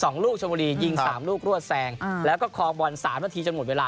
สองลูกชนบุรียิงสามลูกร่วดแทนแล้วก็มวันสามนาทีจนหมดเวลา